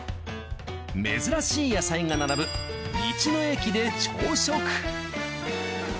珍しい野菜が並ぶ道の駅で朝食。